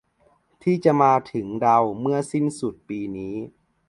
ที่จะมาถึงเราเมื่อสิ้นสุดปีนี้